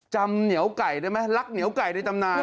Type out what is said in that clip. เหนียวไก่ได้ไหมลักเหนียวไก่ในตำนาน